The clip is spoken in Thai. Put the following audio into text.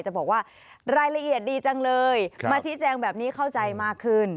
จะบอกว่ารายละเอียดดีจังเลยมาชี้แจงแบบนี้เข้าใจมากขึ้น